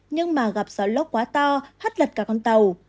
nhưng mà gặp gió lốc quá to hắt lật cả con tàu